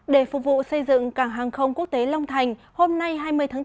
để phục vụ xây dựng cảng hàng không quốc tế long thành hôm nay hai mươi tháng bốn